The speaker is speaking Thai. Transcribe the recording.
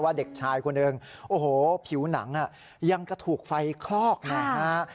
เด็กชายคนหนึ่งโอ้โหผิวหนังยังกระถูกไฟคลอกนะฮะ